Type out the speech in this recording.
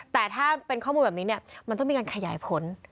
แต่ถ้าเป็นข้อมูลแบบนี้เนี่ยมันต้องมีการขยายผล